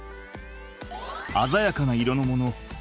鮮やかな色のもの。